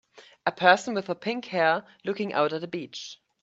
A person with pink hair looking out at a beach.